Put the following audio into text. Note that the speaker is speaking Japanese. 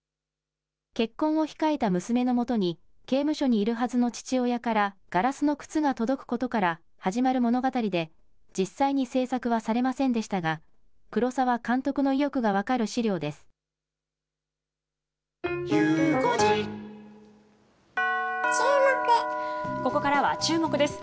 結婚を控えた娘のもとに、刑務所にいるはずの父親からガラスの靴が届くことから始まる物語で、実際に制作はされませんでしたが、黒澤監督の意欲が分かる資料です。